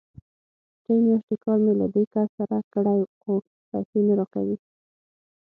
درې مياشتې کار مې له دې کس سره کړی، خو پيسې نه راکوي!